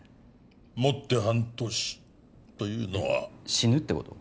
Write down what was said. もって半年というのは死ぬってこと？